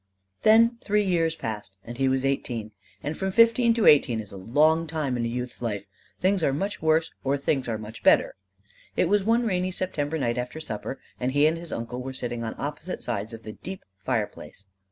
Then three years passed and he was eighteen; and from fifteen to eighteen is a long time in youth's life; things are much worse or things are much better. It was one rainy September night after supper, and he and his uncle were sitting on opposite sides of the deep fireplace.